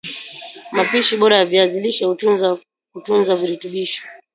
Mapishi Bora ya Viazi lishe hutunza kutunza virutubisho